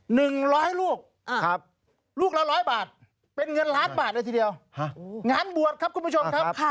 หนึ่งร้อยลูกอ่าครับลูกละร้อยบาทเป็นเงินล้านบาทเลยทีเดียวฮะงานบวชครับคุณผู้ชมครับค่ะ